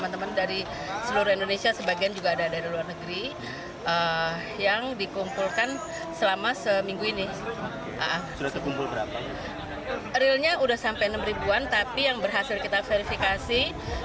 tidak sampai enam an tapi yang berhasil kita verifikasi tiga tiga ratus tiga puluh delapan